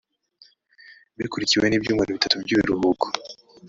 bikurikiwe n ibyumweru bitatu by ibiruhuko